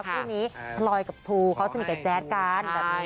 คู่นี้พลอยกับทูเขาสนิทกับแจ๊ดกันแบบนี้